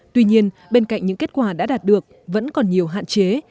tuy nhiên bên cạnh những kết quả đã đạt được vẫn còn nhiều hạn chế